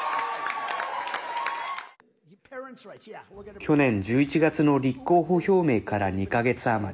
去年１１月の立候補表明から２か月余り。